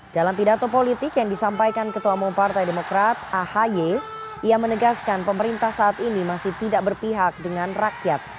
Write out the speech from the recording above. dalam pidato politik yang disampaikan ketua umum partai demokrat ahy ia menegaskan pemerintah saat ini masih tidak berpihak dengan rakyat